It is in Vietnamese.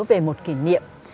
về một kỷ niệm